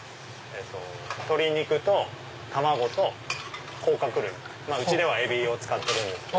鶏肉と卵と甲殻類うちではエビを使ってるんですけど。